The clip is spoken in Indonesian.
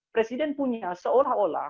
presiden punya seolah olah